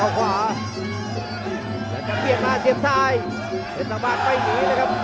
แล้วก็เบียดมาเสียบซ้ายเพศรภาคไม่หนีเลยครับ